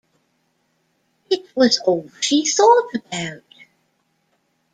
It was all she thought about.